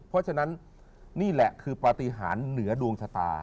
เพราะฉะนั้นนี่แหละคือปฏิหารเหนือดวงชะตา